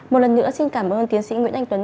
một lần nữa xin cảm ơn tiến sĩ nguyễn anh tuấn